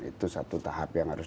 itu satu tahap yang harus